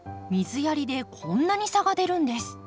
水やりでこんなに差が出るんです。